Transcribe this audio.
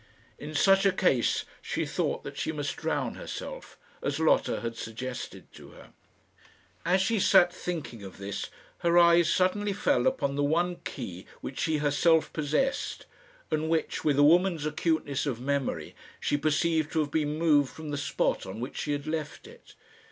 In such a case she thought that she must drown herself, as Lotta had suggested to her. As she sat thinking of this, her eyes suddenly fell upon the one key which she herself possessed, and which, with a woman's acuteness of memory, she perceived to have been moved from the spot on which she had left it.